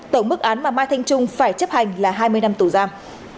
tổng mức án mà mai thanh trung phải chấp hành là hai mươi năm tù giam